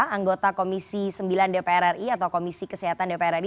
anggota komisi sembilan dpr ri atau komisi kesehatan dpr ri